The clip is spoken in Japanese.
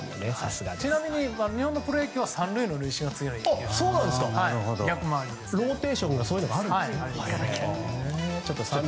ちなみに、日本のプロ野球は３塁の塁審からローテーションでそういうのがあるんですね。